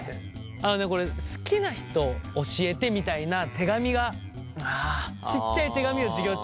あのねこれ「好きな人教えて」みたいな手紙がちっちゃい手紙を授業中。